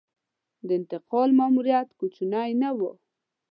د انتقال ماموریت کوچنی نه و.